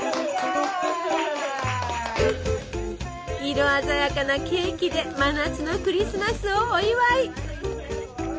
色鮮やかなケーキで真夏のクリスマスをお祝い。